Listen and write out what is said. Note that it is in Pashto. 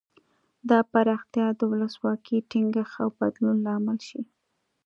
دا پراختیا د ولسواکۍ ټینګښت او بدلون لامل شي.